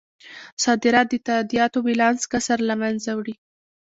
صادرات د تادیاتو بیلانس کسر له مینځه وړي.